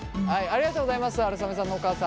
ありがとうございます。